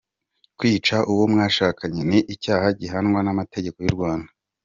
Kwica uwo mwashakanye ni icyaha gihanwa n'amategeko y'u Rwanda.